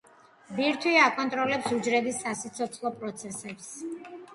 ბირთვი აკონტროლებს უჯრედის სასიცოცხლო პროცესებს.